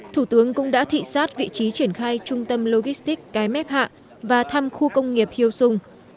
thủ tướng cũng đã thị xát vị trí triển khai trung tâm logistic cái mép hạ và thăm khu công nghiệp hiêu dung